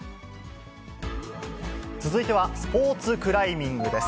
続いてはスポーツクライミングです。